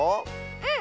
うん。